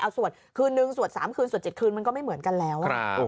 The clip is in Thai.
เอาสวดคืนนึงสวด๓คืนสวด๗คืนมันก็ไม่เหมือนกันแล้ว